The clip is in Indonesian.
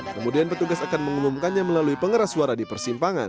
kemudian petugas akan mengumumkannya melalui pengeras suara di persimpangan